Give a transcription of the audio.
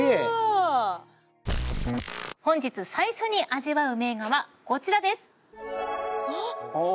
本日最初に味わう名画はこちらです。